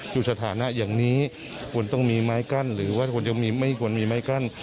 สถานะอย่างนี้ควรต้องมีไม้กั้นหรือว่าคุณยังไม่ควรมีไม้กั้น